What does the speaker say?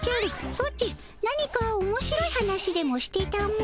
ソチ何かおもしろい話でもしてたも。